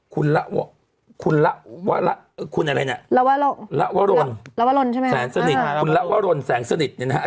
คุณละวะละคุณอะไรเนี่ยละวะลนแสงสนิทคุณละวะลนแสงสนิทเนี่ยนะครับ